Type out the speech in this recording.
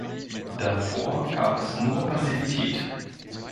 Davor gab es nur Passivität.